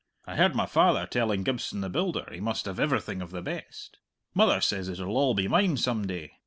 "I heard my father telling Gibson the builder he must have everything of the best! Mother says it'll all be mine some day.